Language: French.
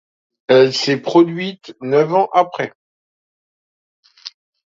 Elle s'est produite neuf ans après.